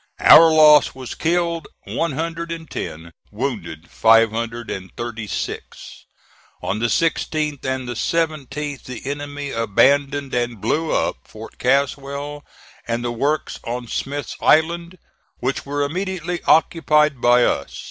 Our loss was: killed, one hundred and ten; wounded, five hundred and thirty six. On the 16th and the 17th the enemy abandoned and blew up Fort Caswell and the works on Smith's Island, which were immediately occupied by us.